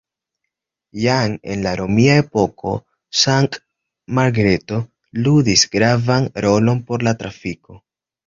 Jam en romia epoko Sankt-Margreto ludis gravan rolon por la trafiko.